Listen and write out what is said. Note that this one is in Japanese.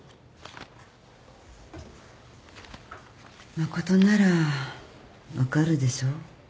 誠なら分かるでしょ？